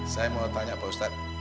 saya mau tanya pak ustadz